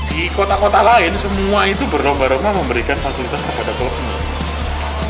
di kota kota lain semua itu beromba omba memberikan fasilitas kepada turun